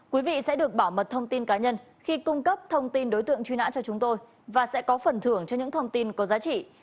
quý vị sẽ được bảo mật thông tin cá nhân khi cung cấp thông tin đối tượng truy nã cho chúng tôi và sẽ có phần thưởng cho những thông tin có giá trị